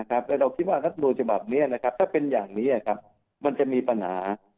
แล้วเราคิดว่ารัฐมนูลฉบับนี้ถ้าเป็นอย่างนี้มันจะมีปัญหา